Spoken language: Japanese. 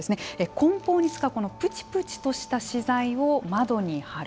こん包に使うぷちぷちとした資材を窓に貼る。